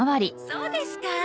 そうですか？